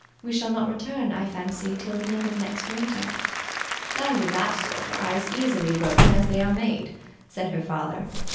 We shall not return, I fancy, till the end of next winter." "Plans of that sort are as easily broken as they are made," said her father.